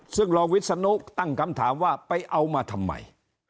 ซึ่งรองวิศนุตั้งคำถามว่าไปเอามาทำไม